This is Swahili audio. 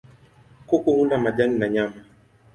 Kuku hula majani na nyama.